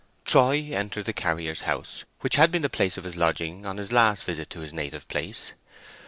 Troy entered the carrier's house, which had been the place of his lodging on his last visit to his native place.